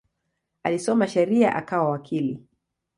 Alisoma sheria akawa wakili.